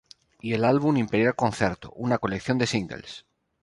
Y el álbum ""Imperial concerto""; una colección de singles.